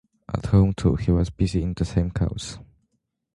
At home, too, he was busy in the same cause.